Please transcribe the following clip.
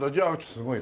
すごい。